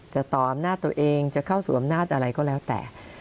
ต่ออำนาจตัวเองจะเข้าสู่อำนาจอะไรก็แล้วแต่